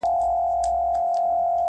وخت یاري ور سره وکړه لوی مالدار سو,